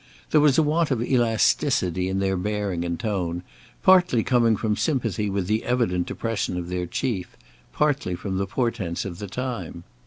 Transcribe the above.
There was a want of elasticity in their bearing and tone, partly coming from sympathy with the evident depression of their chief; partly from the portents of the time.